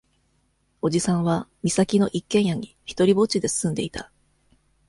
叔父さんは、岬の一軒家に独りぼっちで住んでいた。